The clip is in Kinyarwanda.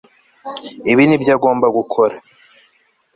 Ibi nibyo agomba gukora